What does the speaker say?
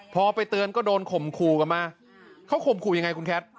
พอไปเตือนก็โดนขมครูมามาเขาขมครูยังไงครูแคศ